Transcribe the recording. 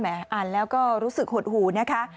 อ่านแล้วก็รู้สึกหดหูนะคะ